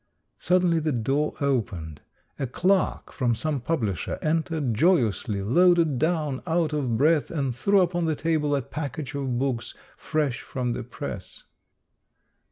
Suddenly the door opened. A clerk from some publisher entered joyously, loaded down, out of breath, and threw upon the table a package of books fresh from the press.